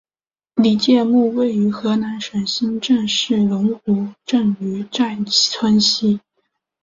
李诫墓位于河南省新郑市龙湖镇于寨村西。